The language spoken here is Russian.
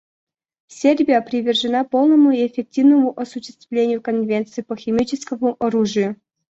Сербия привержена полному и эффективному осуществлению Конвенции по химическому оружию.